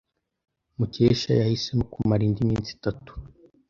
Mukesha yahisemo kumara indi minsi itatu.